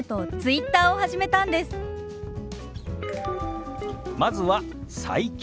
まずは「最近」。